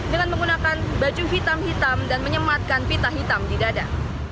dengan menggunakan baju hitam hitam dan menyematkan pita hitam di dada